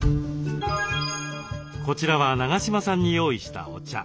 こちらは永島さんに用意したお茶。